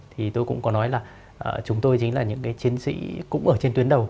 thì tôi cũng có nói là chúng tôi chính là những cái chiến sĩ cũng ở trên tuyến đầu